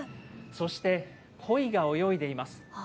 そしてコイが泳いでいます。